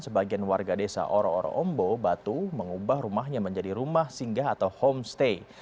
sebagian warga desa oro oro ombo batu mengubah rumahnya menjadi rumah singgah atau homestay